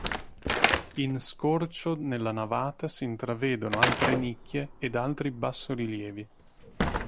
In scorcio nella navata si intravedono altre nicchie ed altri bassorilievi.